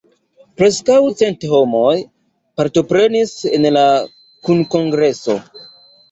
Preskaŭ cent homoj partoprenis en la kunkongreso.